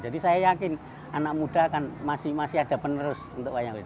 jadi saya yakin anak muda kan masih ada penerus untuk wayang beber